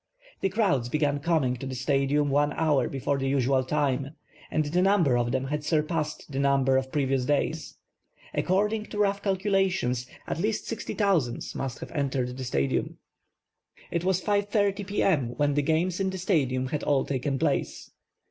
The crowds began coming to the Stadium one hour before the usual time and the number of them had surpassed the number of previous days. According to rough calculations at least 60,000 must have entered the Stadium. It was 5:30 p. m. when the games in the Stadium had all taken place.